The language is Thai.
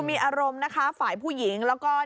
มีอารมณ์ฝ่ายผู้หญิง